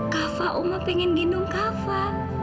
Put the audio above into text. kafa oma pengen gendung kafa